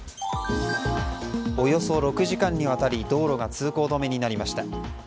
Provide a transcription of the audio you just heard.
およそ６時間にわたり道路が通行止めになりました。